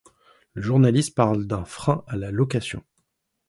Le journaliste parle d'un frein à la location.